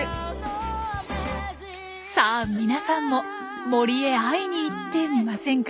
さあ皆さんも森へ会いに行ってみませんか？